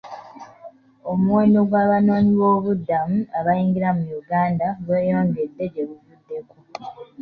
Omuwendo gw'abanoonyboobubudamu abayingira mu Uganda gweyongedde gye buvuddeko.